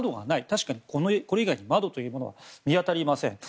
確かに、これ以外に窓というものは見当たりません。